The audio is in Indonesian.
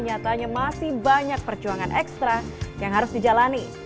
nyatanya masih banyak perjuangan ekstra yang harus dijalani